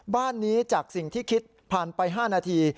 บ้านนี้จากสิ่งที่คิดผ่านไป๕นาที